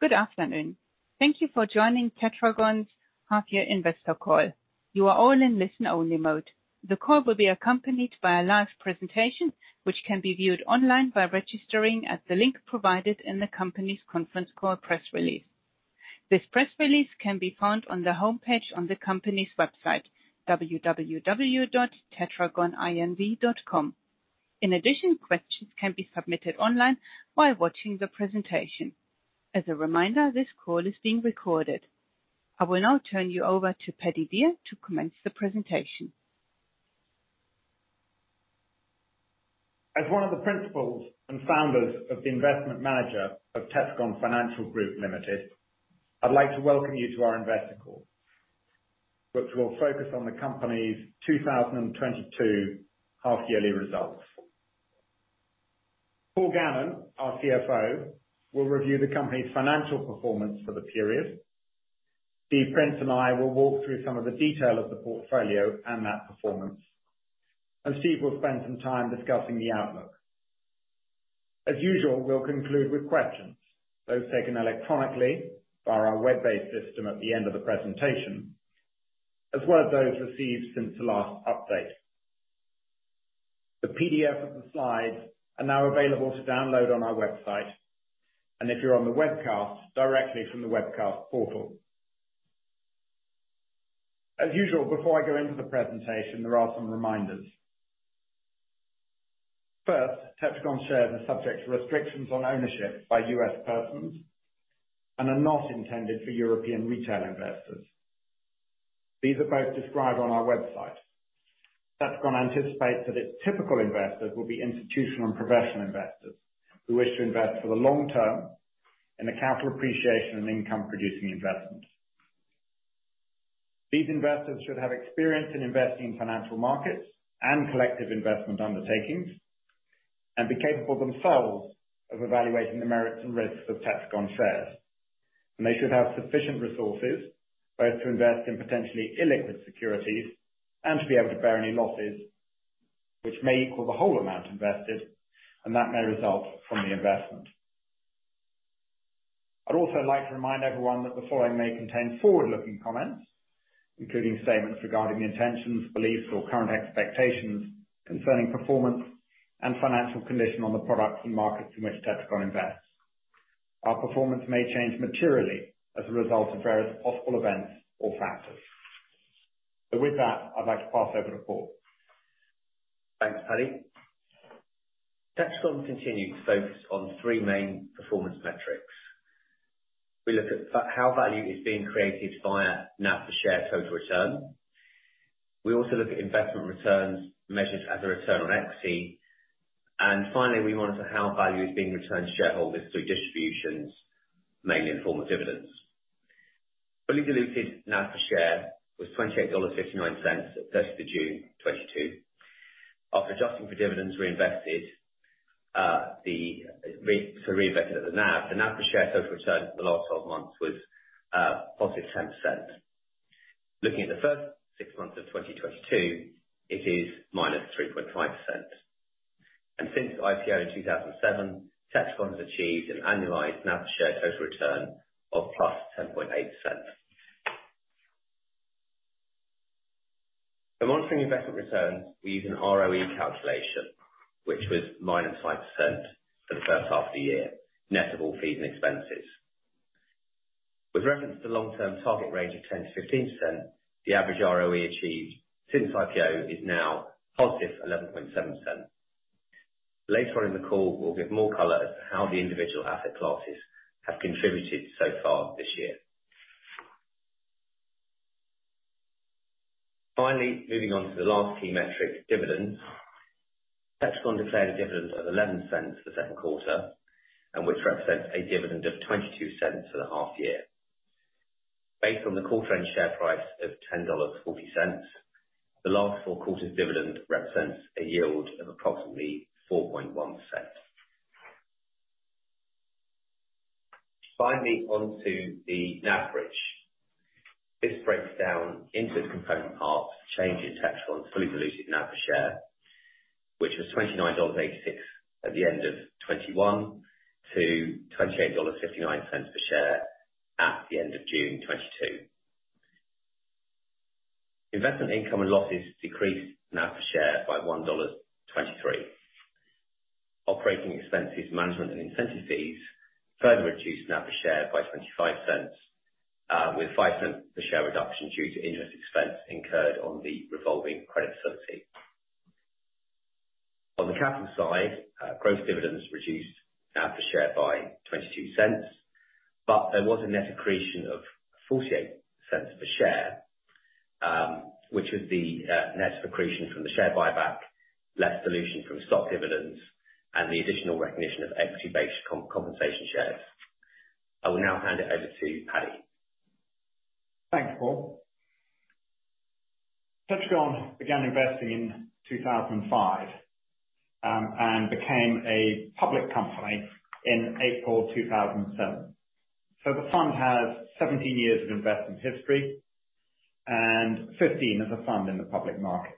Good afternoon. Thank you for joining Tetragon's half-year investor call. You are all in listen-only mode. The call will be accompanied by a live presentation, which can be viewed online by registering at the link provided in the company's conference call press release. This press release can be found on the homepage on the company's website, www.tetragoninv.com. In addition, questions can be submitted online while watching the presentation. As a reminder, this call is being recorded. I will now turn you over to Paddy Dear to commence the presentation. As one of the principals and founders of the investment manager of Tetragon Financial Group Limited, I'd like to welcome you to our investor call, which will focus on the company's 2022 half-yearly results. Paul Gannon, our CFO, will review the company's financial performance for the period. Steve Prince and I will walk through some of the detail of the portfolio and that performance. Steve will spend some time discussing the outlook. As usual, we'll conclude with questions. Those taken electronically via our web-based system at the end of the presentation, as well as those received since the last update. The PDF of the slides are now available to download on our website, and if you're on the webcast, directly from the webcast portal. As usual, before I go into the presentation, there are some reminders. First, Tetragon shares are subject to restrictions on ownership by U.S. persons and are not intended for European retail investors. These are both described on our website. Tetragon anticipates that its typical investors will be institutional and professional investors who wish to invest for the long term in a capital appreciation and income-producing investment. These investors should have experience in investing in financial markets and collective investment undertakings and be capable themselves of evaluating the merits and risks of Tetragon shares. They should have sufficient resources both to invest in potentially illiquid securities and to be able to bear any losses which may equal the whole amount invested and that may result from the investment. I'd also like to remind everyone that the following may contain forward-looking comments, including statements regarding the intentions, beliefs, or current expectations concerning performance and financial condition on the products and markets in which Tetragon invests. Our performance may change materially as a result of various possible events or factors. With that, I'd like to pass over to Paul. Thanks, Paddy. Tetragon continues to focus on three main performance metrics. We look at how value is being created via NAV per share total return. We also look at investment returns measured as a return on equity. Finally, we monitor how value is being returned to shareholders through distributions, mainly in the form of dividends. Fully diluted NAV per share was $28.59 at June 30, 2022. After adjusting for dividends reinvested at the NAV, the NAV per share total return for the last 12 months was +10%. Looking at the first 6 months of 2022, it is -3.5%. Since IPO in 2007, Tetragon has achieved an annualized NAV share total return of +10.8%. For monitoring investment returns, we use an ROE calculation, which was -18% for the first half of the year, net of all fees and expenses. With reference to the long-term target range of 10%-15%, the average ROE achieved since IPO is now +11.7%. Later on in the call, we'll give more color as to how the individual asset classes have contributed so far this year. Finally, moving on to the last key metric, dividends. Tetragon declared a dividend of $0.11 for the second quarter, which represents a dividend of $0.22 for the half year. Based on the quarter-end share price of $10.40, the last four quarters' dividend represents a yield of approximately 4.1%. Finally, onto the NAV bridge. This breaks down into its component parts, change in Tetragon's fully diluted NAV per share, which was $29.86 at the end of 2021 to $28.59 per share at the end of June 2022. Investment income and losses decreased NAV per share by $1.23. Operating expenses, management and incentive fees further reduced NAV per share by $0.25, with $0.05 per share reduction due to interest expense incurred on the revolving credit facility. On the capital side, gross dividends reduced NAV per share by $0.22. There was a net accretion of $0.48 per share, which was the net accretion from the share buyback, less dilution from stock dividends and the additional recognition of equity-based compensation shares. I will now hand it over to Paddy. Thanks, Paul. Tetragon began investing in 2005 and became a public company in April 2007. The fund has 17 years of investment history and 15 as a fund in the public market.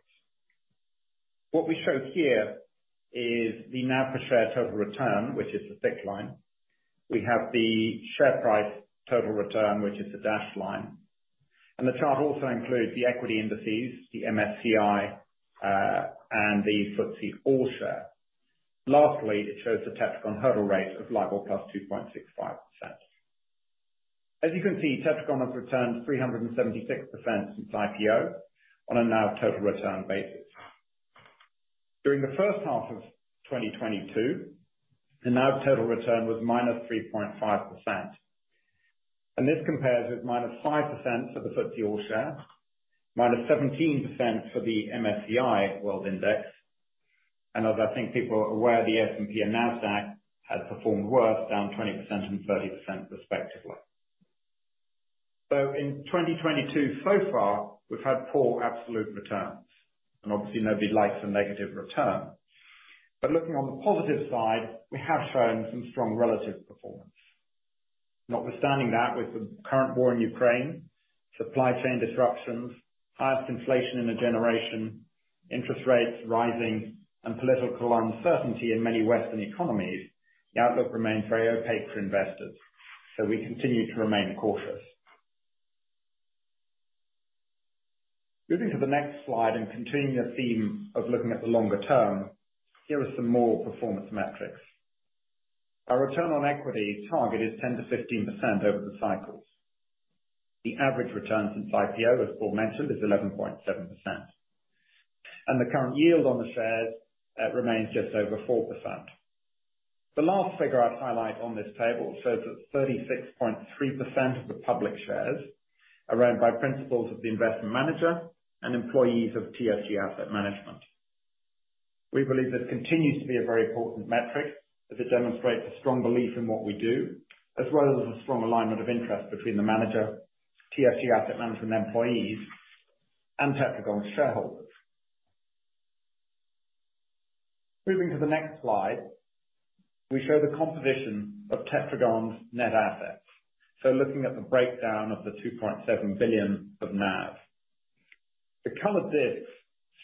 What we show here is the NAV per share total return, which is the thick line. We have the share price total return, which is the dashed line. The chart also includes the equity indices, the MSCI, and the FTSE All-Share. Lastly, it shows the Tetragon hurdle rate of LIBOR +2.65%. As you can see, Tetragon has returned 376% since IPO on a NAV total return basis. During the first half of 2022, the NAV total return was -3.5%. This compares with -5% for the FTSE All-Share, -17% for the MSCI World Index, and as I think people are aware, the S&P and NASDAQ has performed worse, down 20% and 30% respectively. In 2022 so far, we've had poor absolute returns, and obviously nobody likes a negative return. Looking on the positive side, we have shown some strong relative performance. Notwithstanding that with the current war in Ukraine, supply chain disruptions, highest inflation in a generation, interest rates rising, and political uncertainty in many Western economies, the outlook remains very opaque for investors, so we continue to remain cautious. Moving to the next slide and continuing a theme of looking at the longer term, here are some more performance metrics. Our return on equity target is 10%-15% over the cycles. The average return since IPO, as Paul mentioned, is 11.7%. The current yield on the shares remains just over 4%. The last figure I'd highlight on this table shows that 36.3% of the public shares are owned by principals of the investment manager and employees of TFG Asset Management. We believe this continues to be a very important metric, as it demonstrates a strong belief in what we do, as well as a strong alignment of interest between the manager, TFG Asset Management employees, and Tetragon's shareholders. Moving to the next slide, we show the composition of Tetragon's net assets. Looking at the breakdown of the $2.7 billion of NAV. The colored bits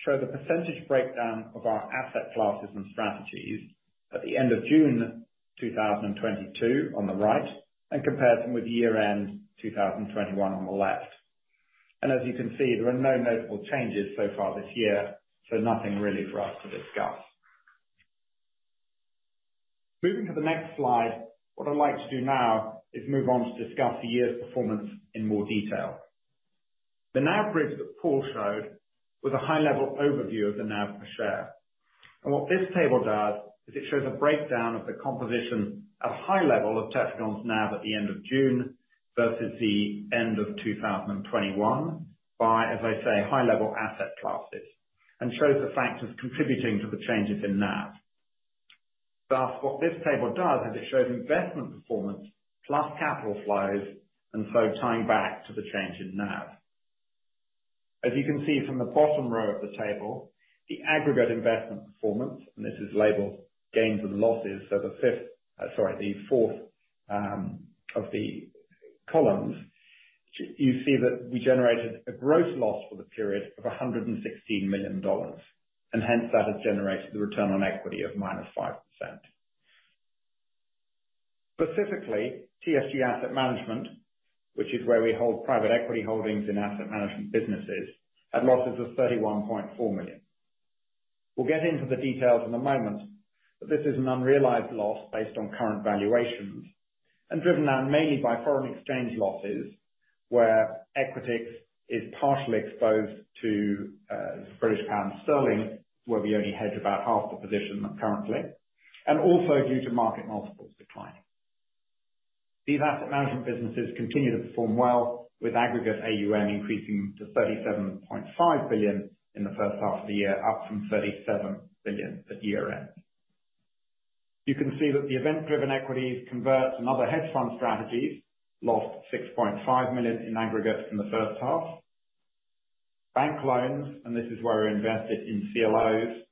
show the percentage breakdown of our asset classes and strategies at the end of June 2022 on the right, and compares them with year-end 2021 on the left. As you can see, there are no notable changes so far this year, so nothing really for us to discuss. Moving to the next slide, what I'd like to do now is move on to discuss the year's performance in more detail. The NAV bridge that Paul showed was a high-level overview of the NAV per share. What this table does is it shows a breakdown of the composition at a high level of Tetragon's NAV at the end of June versus the end of 2021 by, as I say, high-level asset classes and shows the factors contributing to the changes in NAV. Thus, what this table does is it shows investment performance plus capital flows, and so tying back to the change in NAV. As you can see from the bottom row of the table, the aggregate investment performance, and this is labeled gains and losses, so the fourth of the columns, you see that we generated a gross loss for the period of $116 million, and hence that has generated the return on equity of -5%. Specifically, TFG Asset Management, which is where we hold private equity holdings in asset management businesses, had losses of $31.4 million. We'll get into the details in a moment, but this is an unrealized loss based on current valuations and driven down mainly by foreign exchange losses where Equitix is partially exposed to British Pound Sterling, where we only hedge about half the position currently, and also due to market multiples declining. These asset management businesses continue to perform well with aggregate AUM increasing to $37.5 billion in the first half of the year, up from $37 billion at year-end. You can see that the event-driven equities, converts, and other hedge fund strategies lost $6.5 million in aggregate from the first half. Bank loans, and this is where we invested in CLOs,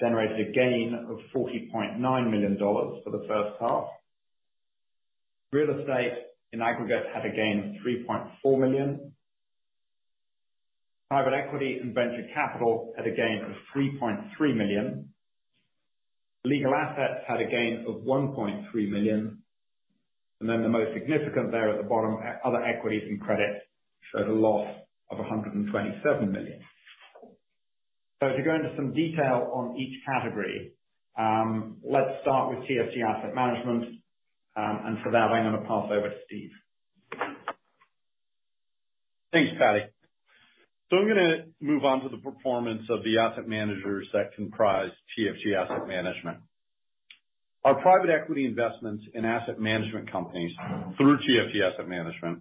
generated a gain of $40.9 million for the first half. Real estate in aggregate had a gain of $3.4 million. Private equity and venture capital had a gain of $3.3 million. Legal assets had a gain of $1.3 million. The most significant there at the bottom, other equities and credits showed a loss of $127 million. To go into some detail on each category, let's start with TFG Asset Management. For that I'm gonna pass over to Steve. Thanks, Paddy. I'm gonna move on to the performance of the asset manager section comprising TFG Asset Management. Our private equity investments in asset management companies through TFG Asset Management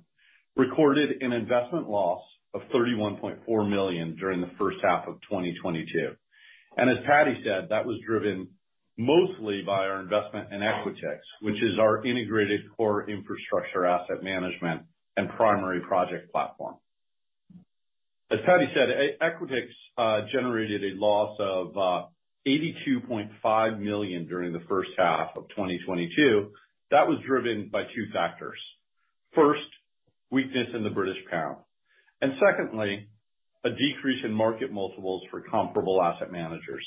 recorded an investment loss of $31.4 million during the first half of 2022. As Paddy said, that was driven mostly by our investment in Equitix, which is our integrated core infrastructure asset management and primary project platform. As Paddy said, Equitix generated a loss of $82.5 million during the first half of 2022. That was driven by two factors. First, weakness in the British pound, and secondly, a decrease in market multiples for comparable asset managers.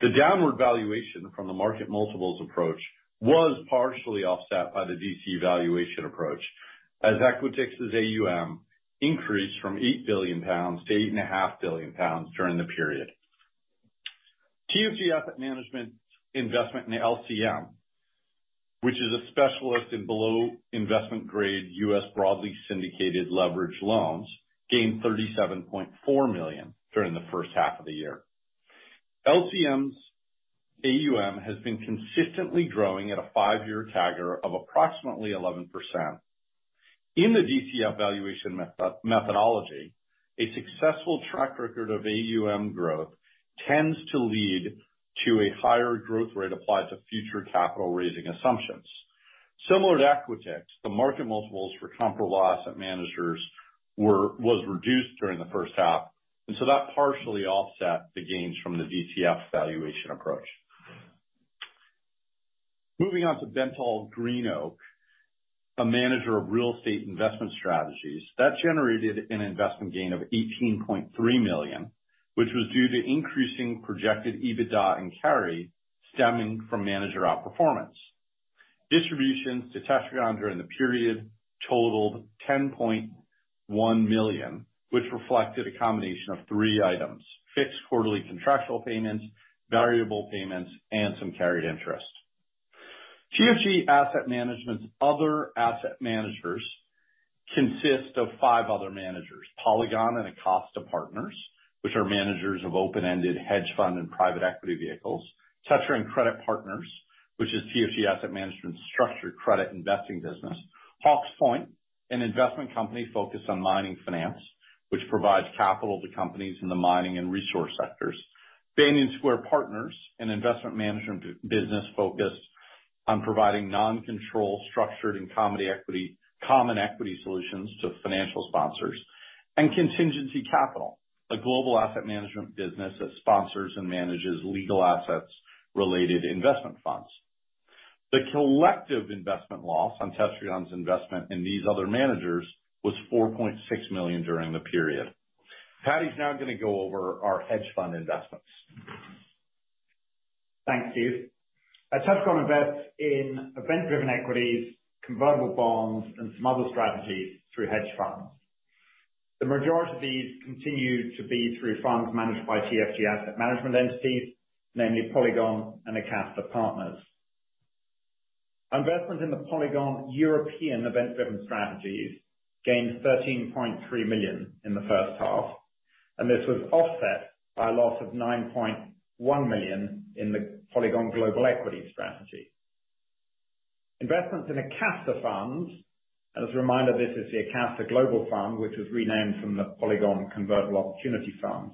The downward valuation from the market multiples approach was partially offset by the DCF valuation approach as Equitix's AUM increased from 8 billion pounds to 8.5 billion pounds during the period. TFG Asset Management investment in the LCM, which is a specialist in below investment grade U.S. broadly syndicated leverage loans, gained $37.4 million during the first half of the year. LCM's AUM has been consistently growing at a five-year CAGR of approximately 11%. In the DCF valuation methodology, a successful track record of AUM growth tends to lead to a higher growth rate applied to future capital raising assumptions. Similar to Equitix, the market multiples for comparable asset managers was reduced during the first half, and that partially offset the gains from the DCF valuation approach. Moving on to BentallGreenOak, a manager of real estate investment strategies. That generated an investment gain of $18.3 million, which was due to increasing projected EBITDA and carry stemming from manager outperformance. Distributions to Tetragon during the period totaled $10.1 million, which reflected a combination of three items, fixed quarterly contractual payments, variable payments, and some carried interest. TFG Asset Management's other asset managers consist of five other managers, Polygon and Acasta Partners, which are managers of open-ended hedge fund and private equity vehicles. Tetragon Credit Partners, which is TFG Asset Management's structured credit investing business. Hawke's Point, an investment company focused on mining finance, which provides capital to companies in the mining and resource sectors. Banyan Square Partners, an investment management business focused on providing non-control structured and common equity, common equity solutions to financial sponsors. Contingency Capital, a global asset management business that sponsors and manages legal asset-related investment funds. The collective investment loss on Tetragon's investment in these other managers was $4.6 million during the period. Paddy is now gonna go over our hedge fund investments. Thanks, Steve Prince. As Tetragon invests in event-driven equities, convertible bonds and some other strategies through hedge funds, the majority of these continue to be through funds managed by TFG Asset Management entities, namely Polygon and Acasta Partners. Investments in the Polygon European event-driven strategies gained $13.3 million in the first half, and this was offset by a loss of $9.1 million in the Polygon global equity strategy. Investments in Acasta funds, as a reminder, this is the Acasta Global Fund, which was renamed from the Polygon Convertible Opportunity Fund,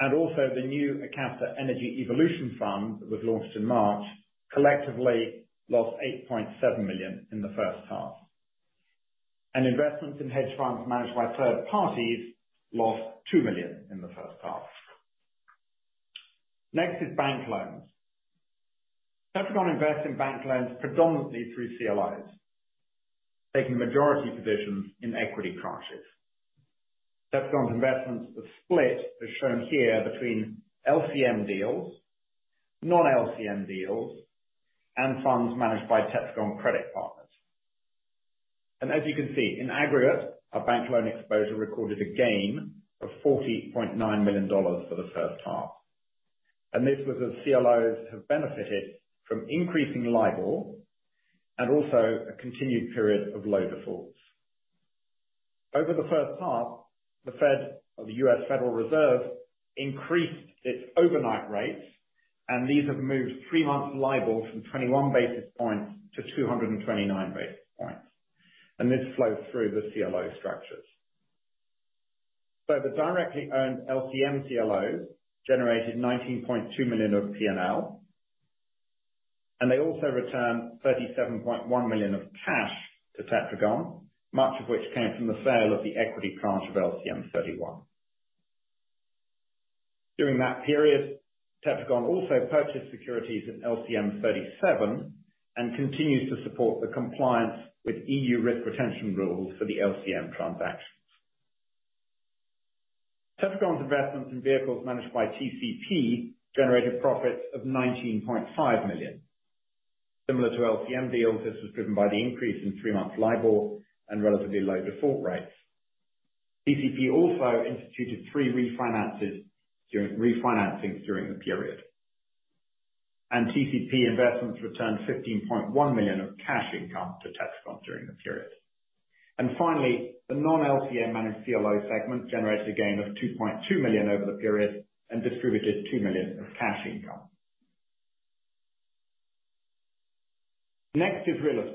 and also the new Acasta Energy Evolution Fund that was launched in March, collectively lost $8.7 million in the first half. Investments in hedge funds managed by third parties lost $2 million in the first half. Next is bank loans. Tetragon invests in bank loans predominantly through CLOs, taking majority positions in equity tranches. Tetragon's investments have split as shown here between LCM deals, non-LCM deals and funds managed by Tetragon Credit Partners. As you can see, in aggregate, our bank loan exposure recorded a gain of $40.9 million for the first half. This was as CLOs have benefited from increasing LIBOR and also a continued period of low defaults. Over the first half, the Fed, the US Federal Reserve increased its overnight rates, and these have moved three-month LIBOR from 21 basis points to 229 basis points. This flows through the CLO structures. The directly owned LCM CLOs generated $19.2 million of P&L, and they also returned $37.1 million of cash to Tetragon, much of which came from the sale of the equity tranche of LCM 31. During that period, Tetragon also purchased securities in LCM 37 and continues to support the compliance with EU risk retention rules for the LCM transactions. Tetragon's investments in vehicles managed by TCP generated profits of $19.5 million. Similar to LCM deals, this was driven by the increase in 3-month LIBOR and relatively low default rates. TCP also instituted 3 refinancings during the period. TCP investments returned $15.1 million of cash income to Tetragon during the period. Finally, the non-LCM managed CLO segment generated a gain of $2.2 million over the period and distributed $2 million of cash income. Next is real estate.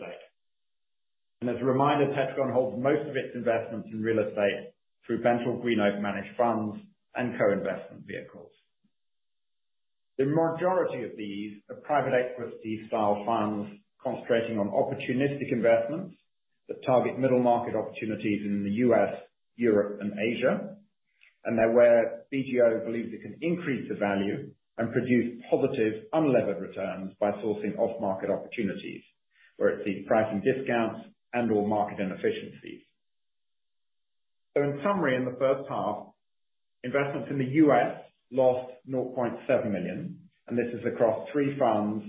As a reminder, Tetragon holds most of its investments in real estate through BentallGreenOak managed funds and co-investment vehicles. The majority of these are private equity style funds concentrating on opportunistic investments that target middle market opportunities in the U.S., Europe and Asia. They're where BGO believes it can increase the value and produce positive unlevered returns by sourcing off-market opportunities, where it sees pricing discounts and/or market inefficiencies. In summary, in the first half, investments in the U.S. lost $0.7 million, and this is across three funds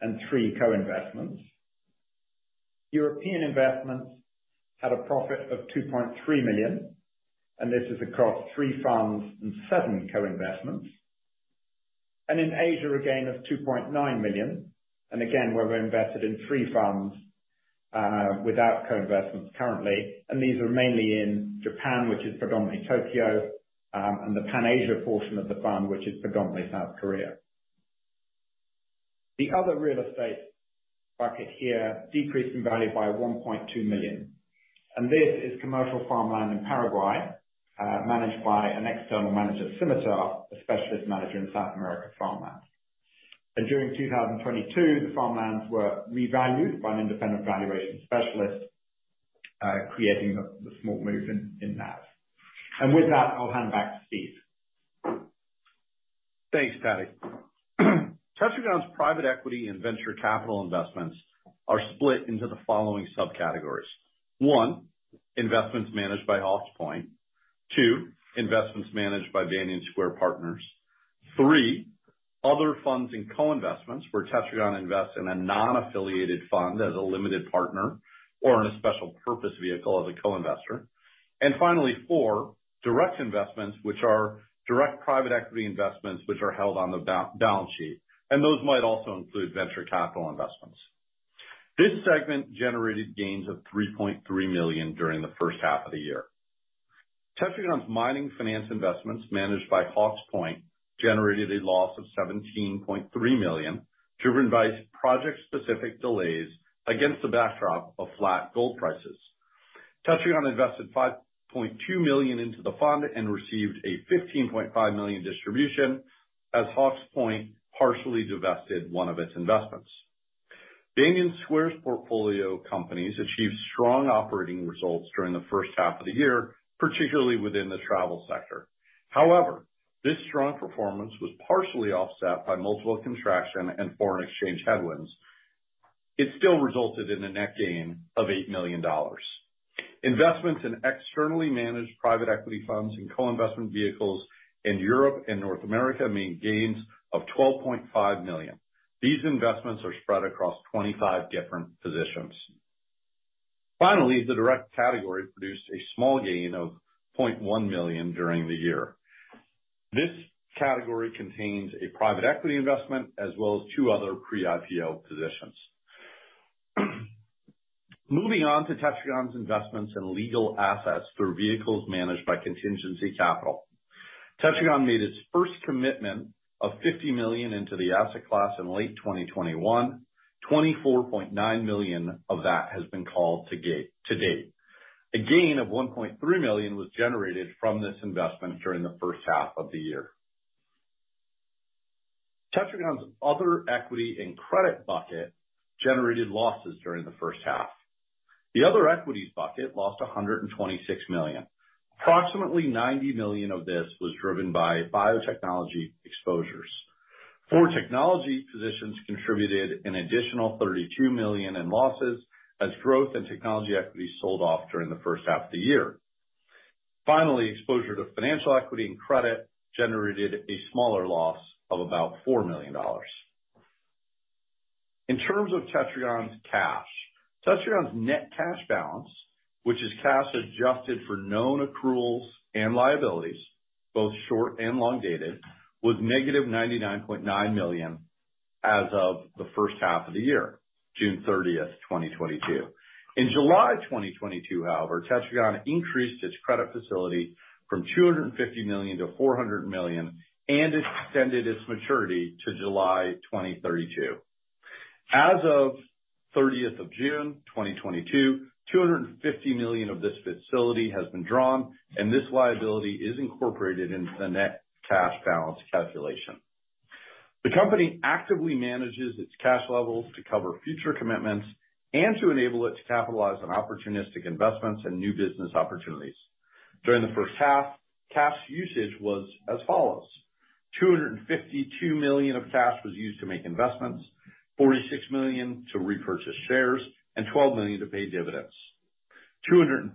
and three co-investments. European investments had a profit of $2.3 million, and this is across three funds and seven co-investments. In Asia, a gain of $2.9 million, and again, where we're invested in three funds without co-investments currently, and these are mainly in Japan, which is predominantly Tokyo, and the Pan-Asia portion of the fund, which is predominantly South Korea. The other real estate bucket here decreased in value by $1.2 million, and this is commercial farmland in Paraguay, managed by an external manager, Scimitar, a specialist manager in South American farmland. During 2022, the farmlands were revalued by an independent valuation specialist, creating the small movement in NAV. With that, I'll hand back to Steve. Thanks, Paddy. Tetragon's private equity and venture capital investments are split into the following subcategories. One, investments managed by Hawke's Point. Two, investments managed by Banyan Square Partners. Three, other funds and co-investments, where Tetragon invests in a non-affiliated fund as a limited partner or in a special purpose vehicle as a co-investor. Finally, four, direct investments, which are direct private equity investments which are held on the balance sheet, and those might also include venture capital investments. This segment generated gains of $3.3 million during the first half of the year. Tetragon's mining finance investments managed by Hawke's Point generated a loss of $17.3 million driven by project-specific delays against the backdrop of flat gold prices. Tetragon invested $5.2 million into the fund and received a $15.5 million distribution as Hawke's Point partially divested one of its investments. Banyan Square's portfolio companies achieved strong operating results during the first half of the year, particularly within the travel sector. However, this strong performance was partially offset by multiple contraction and foreign exchange headwinds. It still resulted in a net gain of $8 million. Investments in externally managed private equity funds and co-investment vehicles in Europe and North America made gains of $12.5 million. These investments are spread across 25 different positions. Finally, the direct category produced a small gain of $0.1 million during the year. This category contains a private equity investment as well as two other pre-IPO positions. Moving on to Tetragon's investments in legal assets through vehicles managed by Contingency Capital. Tetragon made its first commitment of $50 million into the asset class in late 2021. $24.9 million of that has been called to date. A gain of $1.3 million was generated from this investment during the first half of the year. Tetragon's other equity and credit bucket generated losses during the first half. The other equities bucket lost $126 million. Approximately $90 million of this was driven by biotechnology exposures. Four technology positions contributed an additional $32 million in losses as growth in technology equity sold off during the first half of the year. Finally, exposure to financial equity and credit generated a smaller loss of about $4 million. In terms of Tetragon's cash, Tetragon's net cash balance, which is cash adjusted for known accruals and liabilities, both short and long dated, was -$99.9 million as of the first half of the year, June 30, 2022. In July 2022, however, Tetragon increased its credit facility from $250 million to $400 million and extended its maturity to July 2032. As of the 30th of June 2022, $250 million of this facility has been drawn, and this liability is incorporated into the net cash balance calculation. The company actively manages its cash levels to cover future commitments and to enable it to capitalize on opportunistic investments and new business opportunities. During the first half, cash usage was as follows. $252 million of cash was used to make investments, $46 million to repurchase shares, and $12 million to pay dividends. $231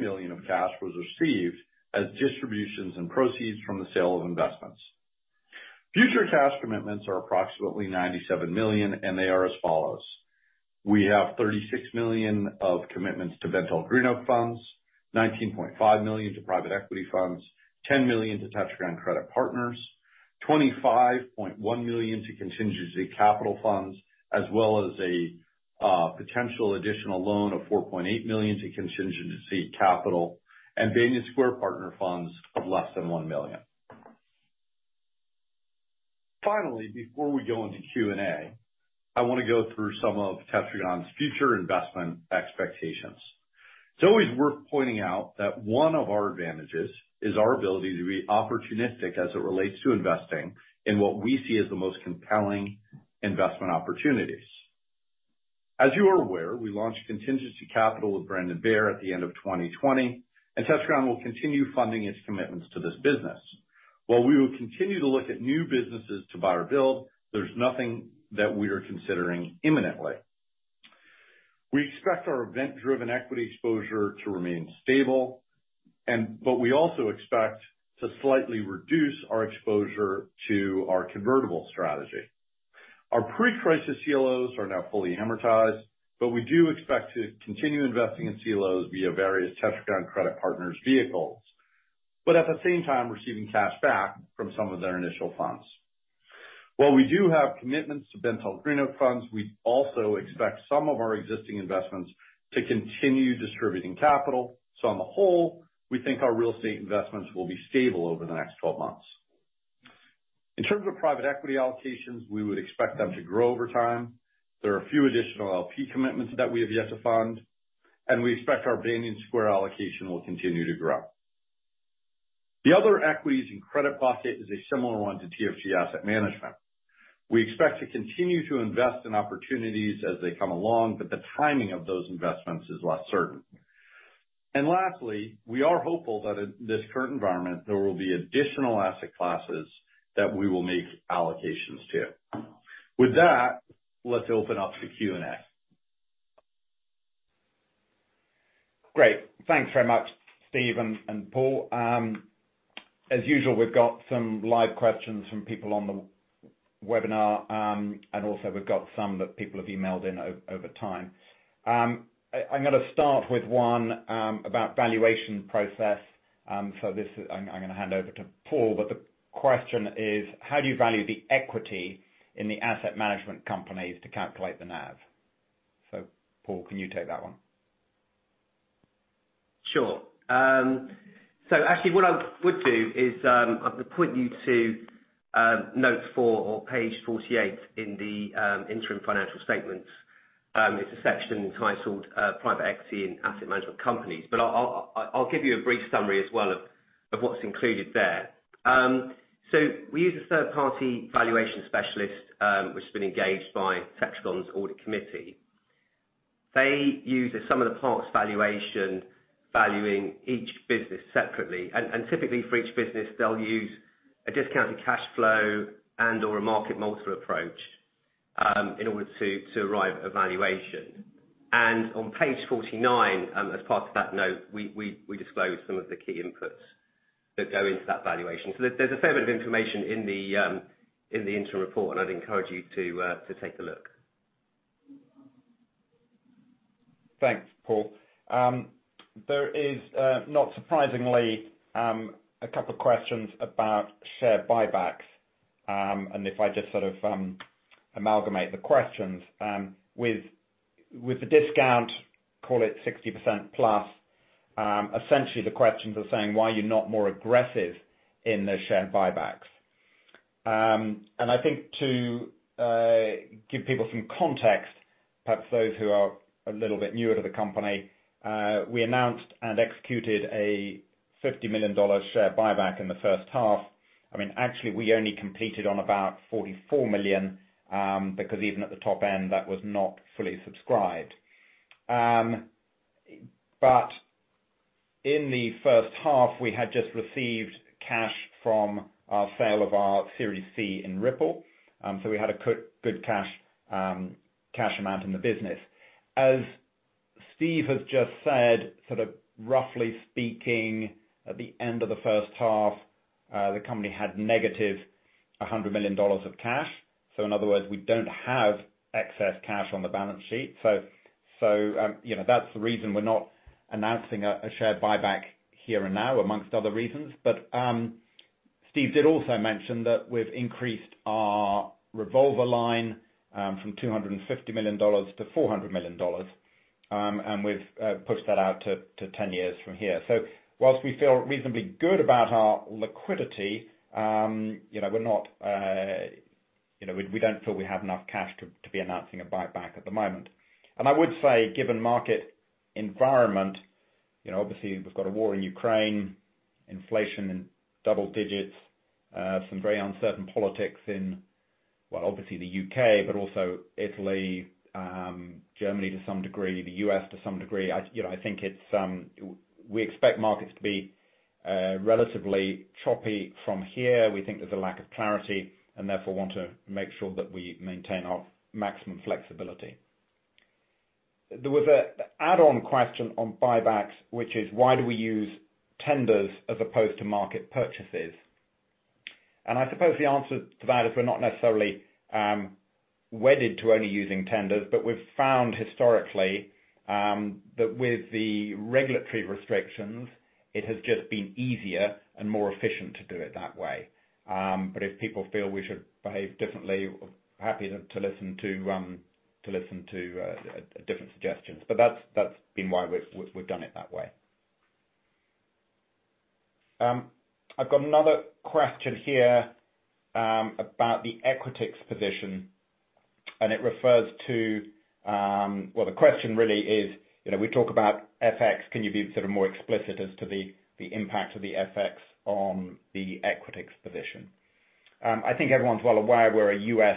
million of cash was received as distributions and proceeds from the sale of investments. Future cash commitments are approximately $97 million, and they are as follows. We have $36 million of commitments to BentallGreenOak funds, $19.5 million to private equity funds, $10 million to Tetragon Credit Partners, $25.1 million to Contingency Capital funds, as well as a potential additional loan of $4.8 million to Contingency Capital, and Banyan Square Partners funds of less than $1 million. Finally, before we go into Q&A, I wanna go through some of Tetragon's future investment expectations. It's always worth pointing out that one of our advantages is our ability to be opportunistic as it relates to investing in what we see as the most compelling investment opportunities. As you are aware, we launched Contingency Capital with Brandon Baer at the end of 2020, and Tetragon will continue funding its commitments to this business. While we will continue to look at new businesses to buy or build, there's nothing that we are considering imminently. We expect our event-driven equity exposure to remain stable, but we also expect to slightly reduce our exposure to our convertible strategy. Our pre-crisis CLOs are now fully amortized, but we do expect to continue investing in CLOs via various Tetragon Credit Partners vehicles. At the same time, receiving cash back from some of their initial funds. While we do have commitments to BentallGreenOak funds, we also expect some of our existing investments to continue distributing capital. On the whole, we think our real estate investments will be stable over the next 12 months. In terms of private equity allocations, we would expect them to grow over time. There are a few additional LP commitments that we have yet to fund, and we expect our Banyan Square allocation will continue to grow. The other equities and credit bucket is a similar one to TFG Asset Management. We expect to continue to invest in opportunities as they come along, but the timing of those investments is less certain. Lastly, we are hopeful that in this current environment, there will be additional asset classes that we will make allocations to. With that, let's open up for Q&A. Great. Thanks very much, Steve and Paul. As usual, we've got some live questions from people on the webinar, and also we've got some that people have emailed in over time. I'm gonna start with one about valuation process. I'm gonna hand over to Paul. The question is, how do you value the equity in the asset management companies to calculate the NAV? Paul, can you take that one? Sure. Actually what I would do is, I would point you to note four or page 48 in the interim financial statements. It's a section entitled Private Equity and Asset Management Companies. I'll give you a brief summary as well of what's included there. We use a third party valuation specialist, which has been engaged by Tetragon's audit committee. They use a sum of the parts valuation, valuing each business separately. Typically for each business, they'll use a discounted cash flow and/or a market multiple approach in order to arrive at valuation. On page 49, as part of that note, we disclose some of the key inputs that go into that valuation. There's a fair bit of information in the interim report, and I'd encourage you to take a look. Thanks, Paul. There is, not surprisingly, a couple questions about share buybacks. If I just sort of amalgamate the questions with the discount, call it 60%+, essentially the questions are saying, "Why are you not more aggressive in the share buybacks?" I think to give people some context, perhaps those who are a little bit newer to the company, we announced and executed a $50 million share buyback in the first half. I mean, actually, we only completed on about $44 million, because even at the top end, that was not fully subscribed. In the first half, we had just received cash from our sale of our Series C in Ripple. We had a good cash amount in the business. As Steve has just said, sort of roughly speaking, at the end of the first half, the company had -$100 million of cash. In other words, we don't have excess cash on the balance sheet. You know, that's the reason we're not announcing a share buyback here and now, among other reasons. Steve did also mention that we've increased our revolver line from $250 million to $400 million, and we've pushed that out to 10 years from here. While we feel reasonably good about our liquidity, you know, we're not, you know, we don't feel we have enough cash to be announcing a buyback at the moment. I would say, given market environment, you know, obviously we've got a war in Ukraine, inflation in double digits, some very uncertain politics in, well, obviously the U.K., but also Italy, Germany to some degree, the U.S. to some degree. I, you know, I think we expect markets to be relatively choppy from here. We think there's a lack of clarity, and therefore want to make sure that we maintain our maximum flexibility. There was an add-on question on buybacks, which is why do we use tenders as opposed to market purchases? I suppose the answer to that is we're not necessarily wedded to only using tenders, but we've found historically that with the regulatory restrictions, it has just been easier and more efficient to do it that way. If people feel we should behave differently, happy to listen to different suggestions. That's been why we've done it that way. I've got another question here about the Equitix position, and it refers to. Well, the question really is, you know, we talk about FX, can you be sort of more explicit as to the impact of the FX on the Equitix position? I think everyone's well aware we're a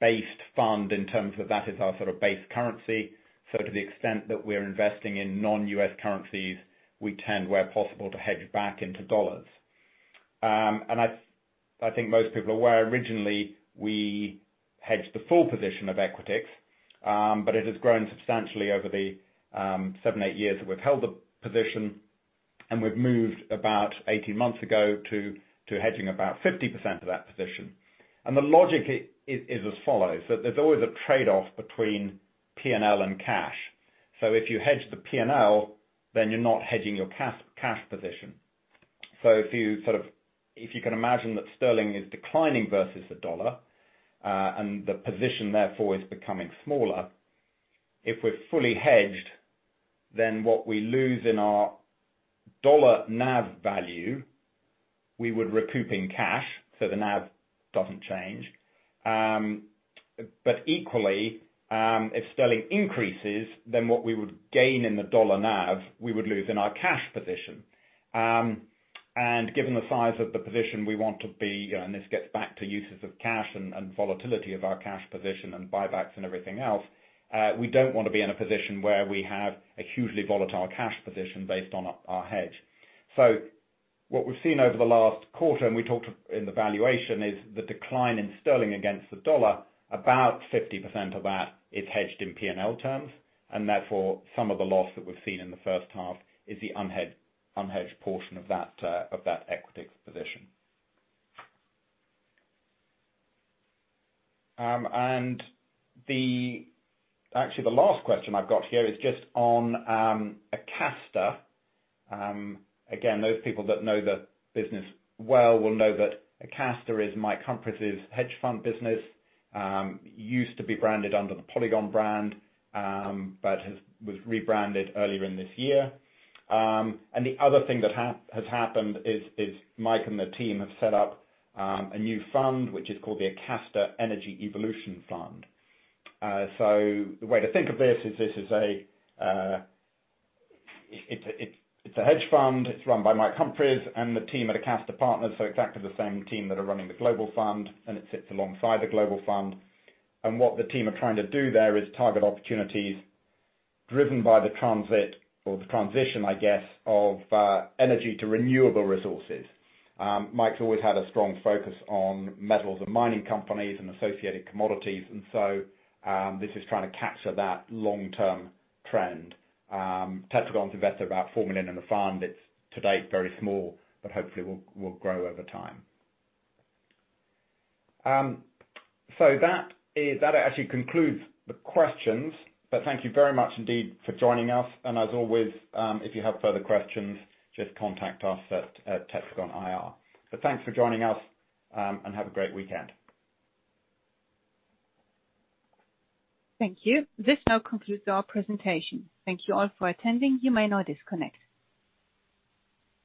U.S.-based fund in terms of that is our sort of base currency. So to the extent that we're investing in non-U.S. currencies, we tend, where possible, to hedge back into dollars. I think most people are aware, originally, we hedged the full position of Equitix, but it has grown substantially over the 7-8 years that we've held the position, and we've moved about 18 months ago to hedging about 50% of that position. The logic is as follows, that there's always a trade-off between P&L and cash. If you hedge the P&L, then you're not hedging your cash position. If you sort of, if you can imagine that sterling is declining versus the dollar, and the position therefore is becoming smaller, if we're fully hedged, then what we lose in our dollar NAV value, we would recoup in cash, so the NAV doesn't change. Equally, if sterling increases, then what we would gain in the dollar NAV, we would lose in our cash position. Given the size of the position we want to be, and this gets back to uses of cash and volatility of our cash position and buybacks and everything else, we don't wanna be in a position where we have a hugely volatile cash position based on our hedge. So what we've seen over the last quarter, and we talked in the valuation, is the decline in sterling against the dollar. About 50% of that is hedged in P&L terms, and therefore, some of the loss that we've seen in the first half is the unhedged portion of that Equitix position. Actually, the last question I've got here is just on Acasta. Again, those people that know the business well will know that Acasta is Mike Humphries' hedge fund business. Used to be branded under the Polygon brand, but was rebranded earlier in this year. The other thing that has happened is Mike and the team have set up a new fund which is called the Acasta Energy Evolution Fund. The way to think of this is, it's a hedge fund. It's run by Mike Humphries and the team at Acasta Partners, so exactly the same team that are running the Global Fund, and it sits alongside the Global Fund. What the team are trying to do there is target opportunities driven by the transit or the transition, I guess, of energy to renewable resources. Mike's always had a strong focus on metals and mining companies and associated commodities. This is trying to capture that long-term trend. Tetragon's invested about $4 million in the fund. It's to date very small, but hopefully will grow over time. That actually concludes the questions, but thank you very much indeed for joining us. As always, if you have further questions, just contact us at Tetragon IR. Thanks for joining us, and have a great weekend. Thank you. This now concludes our presentation. Thank you all for attending. You may now disconnect.